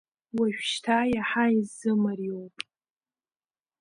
Уажәшьҭа иаҳа исзымариоуп.